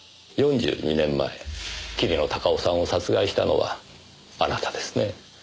４２年前桐野孝雄さんを殺害したのはあなたですね。